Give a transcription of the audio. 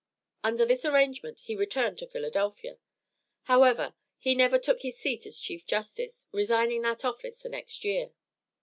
Under this arrangement he returned to Philadelphia. However, he never took his seat as Chief Justice, resigning that office the next year.